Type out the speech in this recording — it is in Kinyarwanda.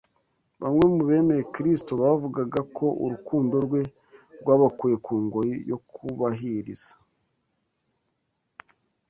Bamwe mu bemeye Kristo bavugaga ko urukundo rwe rwabakuye ku ngoyi yo kubahiriza